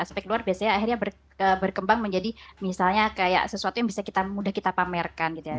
aspek luar biasanya akhirnya berkembang menjadi misalnya kayak sesuatu yang bisa kita mudah kita pamerkan gitu ya